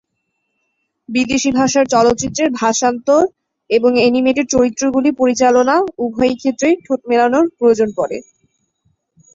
বিদেশী ভাষার চলচ্চিত্রের ভাষান্তর এবং অ্যানিমেটেড চরিত্রগুলি পরিচালনা, উভয়ই ক্ষেত্রেই ঠোঁট-মেলানোর প্রয়োজন পড়ে।